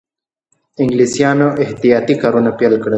انګلیسیانو احتیاطي کارونه پیل کړل.